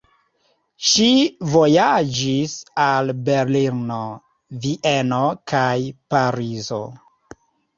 Ŝi vojaĝis al Berlino, Vieno kaj Parizo.